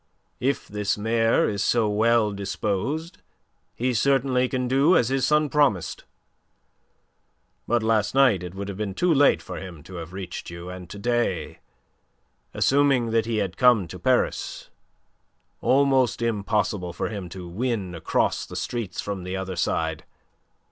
"If this mayor is so well disposed, he certainly can do as his son promised. But last night it would have been too late for him to have reached you, and to day, assuming that he had come to Paris, almost impossible for him to win across the streets from the other side.